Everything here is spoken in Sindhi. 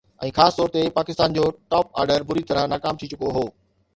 ۽ خاص طور تي پاڪستان جو ٽاپ آرڊر بُري طرح ناڪام ٿي چڪو هو